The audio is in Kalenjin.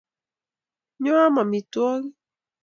Nyoo am amitwogik.